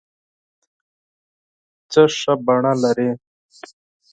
څه ښه بڼه لرې